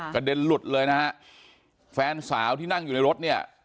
เด็นหลุดเลยนะฮะแฟนสาวที่นั่งอยู่ในรถเนี่ย